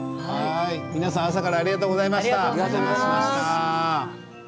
皆さん朝からありがとうございました。